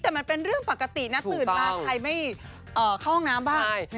แต่มันเป็นเรื่องปกตินะตื่นมาใครไม่เข้าห้องน้ำบ้าง